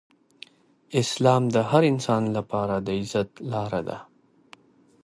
اسلام د هر انسان لپاره د عزت لاره ده.